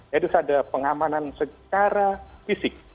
yaitu ada pengamanan secara fisik